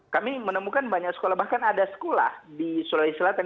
kami menemukan banyak sekolah bahkan ada sekolah di sulawesi selatan